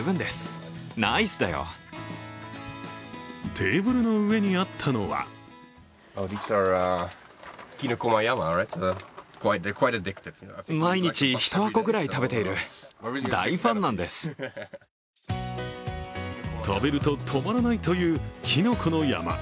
テーブルの上にあったのは食べると止まらないという、きのこの山。